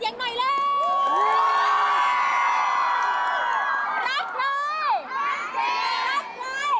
ที่สำคัญขอขอบคุณแฟนคลับด้วยขอเสียงหน่อยเลย